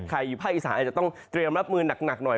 อยู่ภาคอีสานอาจจะต้องเตรียมรับมือหนักหน่อย